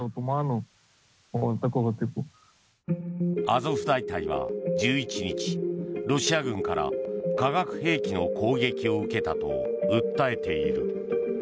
アゾフ大隊は１１日ロシア軍から化学兵器の攻撃を受けたと訴えている。